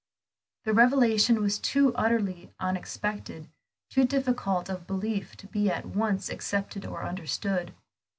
The revelation was too utterly unexpected, too difficult of belief to be at once accepted or understood.